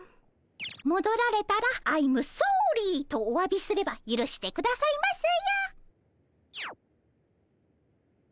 もどられたらアイムソーリーとおわびすればゆるしてくださいますよ。